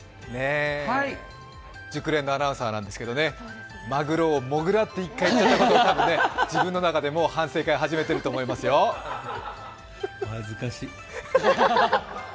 熟練のアナウンサーなんですけれどもね、まぐろをもぐらって１回言っちゃたことを自分の中で反省会を始めてると思いますよ、恥ずかしっ。